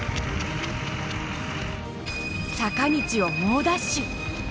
坂道を猛ダッシュ。